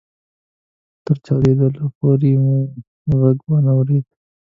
تر چاودلو پورې مو يې ږغ وانه اورېد.